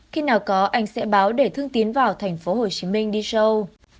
khi nào có anh sẽ báo để thương tín vào thành phố hồ chí minh đi show